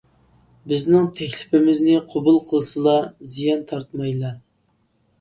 بىزنىڭ تەكلىپىمىزنى قوبۇل قىلسىلا زىيان تارتمايلا.